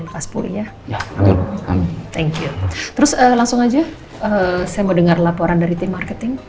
tambahin kasih pulih ya amin terus langsung aja saya mau dengar laporan dari tim marketing